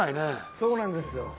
そうなんですよ。